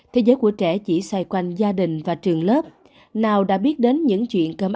thế giới của trẻ chỉ xoay quanh gia đình và trường lớp nào đã biết đến những chuyện cầm áo gạo tiền